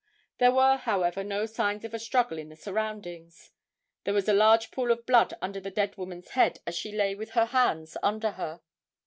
There were, however, no signs of a struggle in the surroundings. There was a large pool of blood under the dead woman's head as she lay with her hands under her.